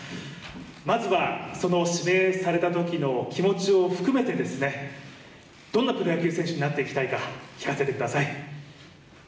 まずは指名されたときの気持ちを含めてどんなプロ野球選手になっていきたいか聞かせてください。